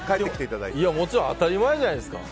もちろん当たり前じゃないですか。